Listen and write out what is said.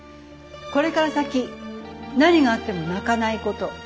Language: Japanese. これから先何があっても泣かないこと。